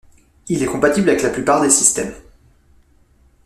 Il est compatible avec la plupart des systèmes.